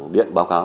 điện báo cáo